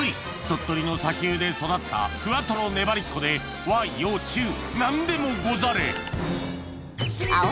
鳥取の砂丘で育ったふわとろねばりっこで和洋中何でもござれ！